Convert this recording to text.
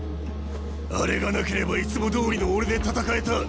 あれがなければいつもどおりの俺で戦えた！